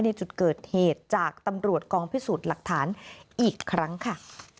ในจุดเกิดเหตุจากตำรวจกองพิสูจน์หลักฐานอีกครั้งค่ะ